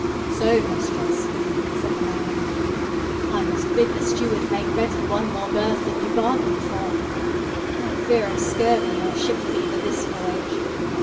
"So, mistress," said the mariner, "I must bid the steward make ready one more berth than you bargained for! No fear of scurvy or ship fever this voyage.